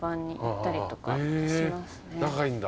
仲いいんだ。